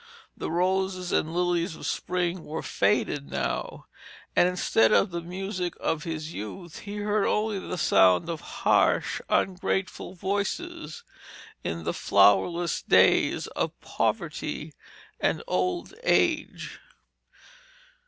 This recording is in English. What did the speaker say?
The roses and lilies of spring were faded now, and instead of the music of his youth he heard only the sound of harsh, ungrateful voices, in the flowerless days of poverty and old age.